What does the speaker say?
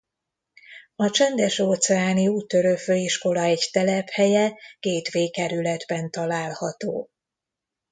A Csendes-óceáni Úttörő Főiskola egy telephelye Gateway kerületben található.